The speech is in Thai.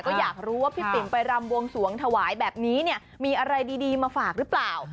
ก็อยากรู้ว่าพี่ติ๋มไปรำบวงสวงถวายแบบนี้เนี่ยมีอะไรดีมาฝากหรือเปล่า